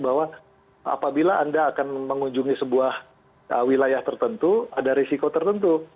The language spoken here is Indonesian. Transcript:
bahwa apabila anda akan mengunjungi sebuah wilayah tertentu ada risiko tertentu